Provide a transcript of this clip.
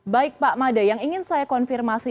baik pak made yang ingin saya konfirmasi